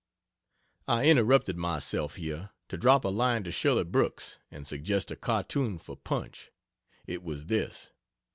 I interrupted myself here, to drop a line to Shirley Brooks and suggest a cartoon for Punch. It was this.